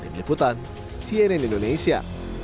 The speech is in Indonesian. tim liputan cnn indonesia